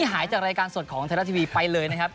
หายจากรายการสดของไทยรัฐทีวีไปเลยนะครับ